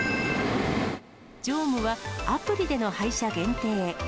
乗務はアプリでの配車限定。